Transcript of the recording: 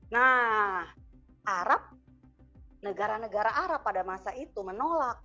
nah arab negara negara arab pada masa itu menolak